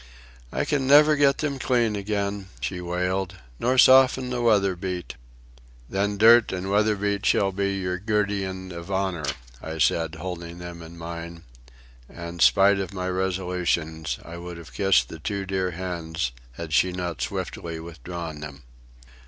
"I can never get them clean again," she wailed, "nor soften the weather beat." "Then dirt and weather beat shall be your guerdon of honour," I said, holding them in mine; and, spite of my resolutions, I would have kissed the two dear hands had she not swiftly withdrawn them.